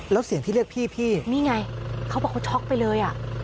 แล้วเสียงที่เรียกพี่พี่นี่ไงเขาบอกเขาช็อกไปเลยอ่ะ